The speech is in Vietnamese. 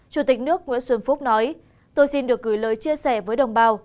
chủ tịch nước nguyễn xuân phúc nói tôi xin được gửi lời chia sẻ với đồng bào